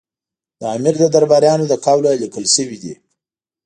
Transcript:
د امیر د درباریانو له قوله لیکل شوي دي.